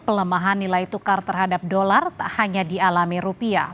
pelemahan nilai tukar terhadap dolar tak hanya dialami rupiah